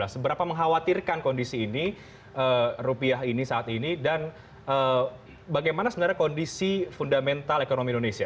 seberapa mengkhawatirkan kondisi ini rupiah ini saat ini dan bagaimana sebenarnya kondisi fundamental ekonomi indonesia